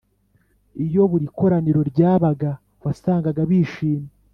Iyo buri koraniro ryabaga wasangaga bishimye